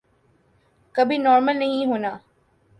کبھی نارمل نہیں ہونا۔